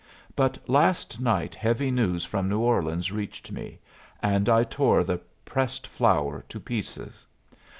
But last night heavy news from New Orleans reached me, and I tore the pressed flower to pieces.